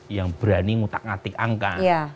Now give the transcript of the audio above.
yang berani ngutak ngatik angka